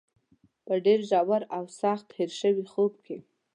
په ډېر ژور او سخت هېر شوي خوب کې.